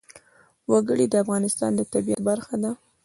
وګړي د افغانستان د طبیعت برخه ده.